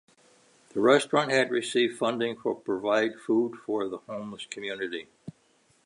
The restaurant had received funding for provide food for the homeless community.